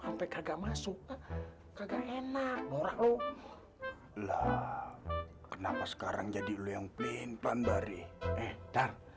sampai kagak masuk kagak enak norak lo lah kenapa sekarang jadi lu yang pilihin pambari eh dar